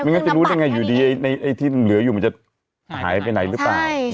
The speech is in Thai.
งั้นจะรู้ได้ไงอยู่ดีไอ้ที่เหลืออยู่มันจะหายไปไหนหรือเปล่า